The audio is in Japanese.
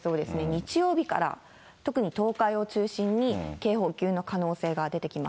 日曜日から、特に東海を中心に警報級の可能性が出てきます。